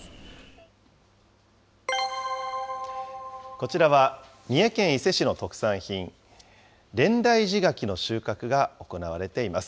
こちらは、三重県伊勢市の特産品、蓮台寺柿の収穫が行われています。